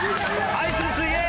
あいつすげえ！